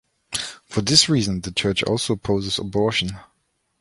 For this reason, the church also opposes abortion.